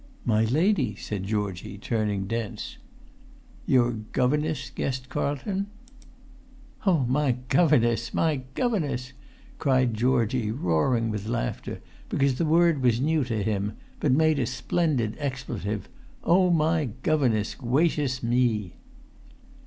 "My lady," said Georgie, turning dense. "Your governess?" guessed Carlton. "Oh, my governess, my governess!" cried Georgie, roaring with laughter because the word was new to him, but made a splendid expletive: "oh, my governess, gwacious me!"